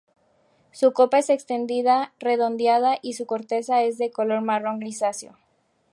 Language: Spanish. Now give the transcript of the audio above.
Su copa es extendida, redondeada y su corteza es de color marrón grisáceo.